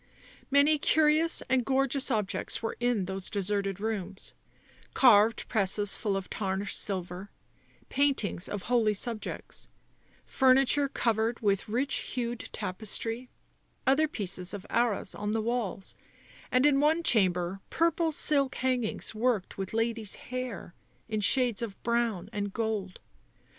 Many curious and gorgeous objects were in those deserted rooms ; carved presses full of tarnished silver, paintings of holy subjects, fur niture covered with rich hued tapestry, other pieces of arras on the walls, and in one chamber purple silk hangings worked with ladies* hair in shades of brown and gold.